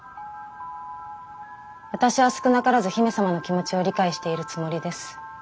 私は少なからず姫様の気持ちを理解しているつもりです。